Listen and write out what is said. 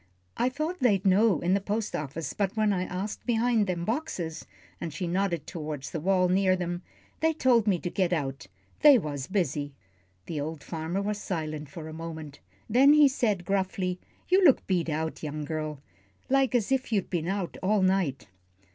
I thought they'd know in the post office, but when I asked behind them boxes," and she nodded toward the wall near them, "they told me to get out they was busy." The old farmer was silent for a moment. Then he said, gruffly, "You look beat out, young girl, like as if you'd been out all night."